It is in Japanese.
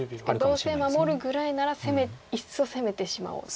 どうせ守るぐらいならいっそ攻めてしまおうと。